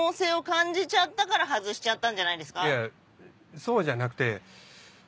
そうじゃなくて。